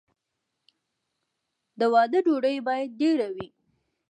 د واده ډوډۍ باید ډیره وي.